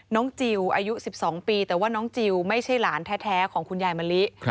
จิลอายุ๑๒ปีแต่ว่าน้องจิลไม่ใช่หลานแท้ของคุณยายมะลิ